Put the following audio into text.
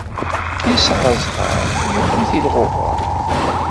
Yesεa ẓẓher yewwi tilɣuɣa.